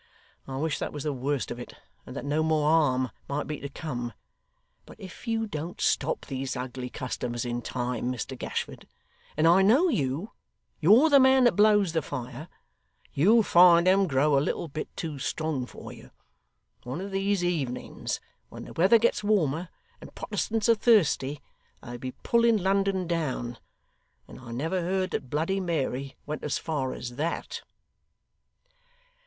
I wish that was the worst of it, and that no more harm might be to come; but if you don't stop these ugly customers in time, Mr Gashford (and I know you; you're the man that blows the fire), you'll find 'em grow a little bit too strong for you. One of these evenings, when the weather gets warmer and Protestants are thirsty, they'll be pulling London down, and I never heard that Bloody Mary went as far as THAT.